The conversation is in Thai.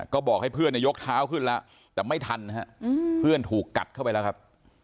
ก็บอกให้เพื่อนยกเท้าขึ้นแล้วแต่ไม่ทันฮะเพื่อนถูกกัดเข้าไปแล้วครับ